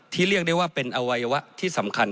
เรียกได้ว่าเป็นอวัยวะที่สำคัญ